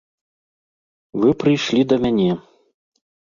Вы прыйшлі да мяне.